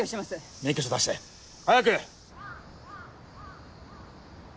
免許証出して早く！